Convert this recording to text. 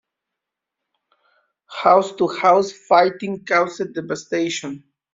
House-to-house fighting caused devastation.